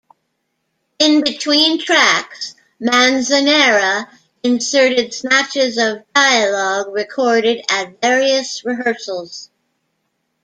In between tracks, Manzanera inserted snatches of dialogue recorded at various rehearsals.